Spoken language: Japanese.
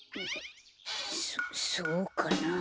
そそうかなあ？